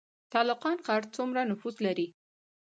تالقان ښار څومره نفوس لري؟